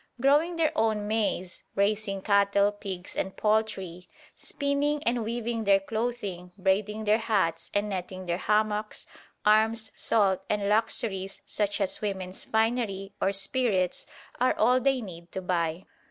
Growing their own maize, raising cattle, pigs and poultry, spinning and weaving their clothing, braiding their hats and netting their hammocks, arms, salt, and luxuries such as women's finery or spirits are all they need to buy.